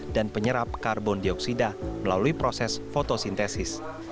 dan penyerap karbon dioksida melalui proses fotosintesis